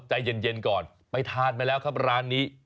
ใจเย็นก่อนไปทานมาแล้วครับร้านนี้